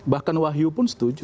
bahkan wahyu pun setuju